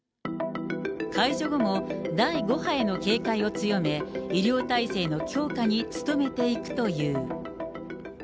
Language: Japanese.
解除後も、第５波への警戒を強め、医療体制の強化に努めていくという。